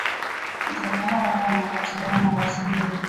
mtazamo huo unakataliwa na wasomi wengi